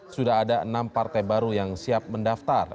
sudah ada enam partai baru yang siap mendaftar